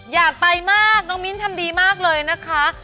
อยากไปมากน้องมิ้นทำดีมากเลยนะคะ